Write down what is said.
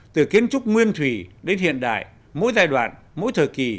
từ kiến trúc nguyên thủy đến hiện đại mỗi giai đoạn mỗi thời kỳ